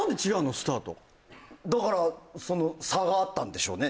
スタートだからその差があったんでしょうね